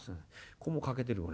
ここも欠けてるこれ。